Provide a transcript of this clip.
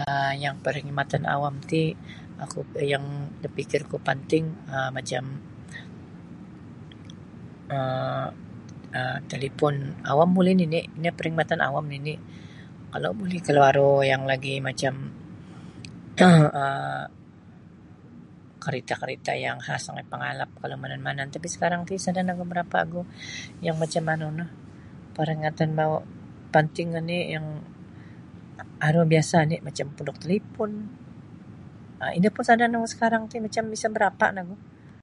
um Yang perkhidmatan awam ti oku yang da fikirku panting um macam um talipon awam buli nini' ino perkhidmatan awam nini' kalau buli kalau aru yang lagi macam um karita'-karita' yang khas mongoi pangalap kalau miyanan-miyanan ti tapi sakarang ti sada nogu barapa' ogu yang macam manu no paringatan mau' panting oni' yang aru biasa' oni' macam punduk talipon ino pun sada' nogu sakarang macam sa barapa' nogu.